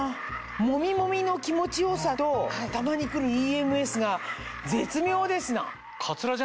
モミモミの気持ち良さとたまに来るＥＭＳが絶妙ですな。